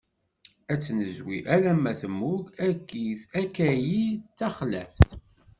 Ad tt-nezwi alma temmug akkit akkayi d taxlaft.